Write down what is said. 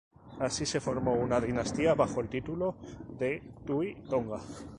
Así se formó una dinastía bajo el título de Tu’i Tonga.